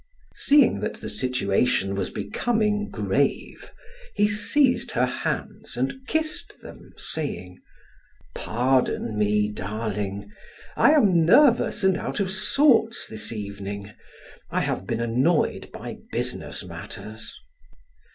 Seeing that the situation was becoming grave, he seized her hands and kissed them, saying: "Pardon me, darling; I am nervous and out of sorts this evening. I have been annoyed by business matters."